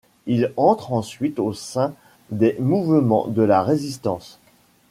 Il entre ensuite au sein des mouvements de la Résistance.